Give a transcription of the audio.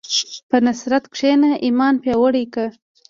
په نصرت کښېنه، ایمان پیاوړی کړه.